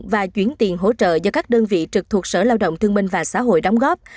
và chuyển tiền hỗ trợ do các đơn vị trực thuộc sở lao động thương minh và xã hội đóng góp